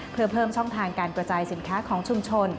เพื่อเพิ่มช่องทางการกระจายสินค้าของชุมชน